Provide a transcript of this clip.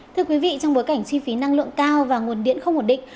thưa quý vị trong bối cảnh chi phí năng lượng cao và nguồn điện không ổn định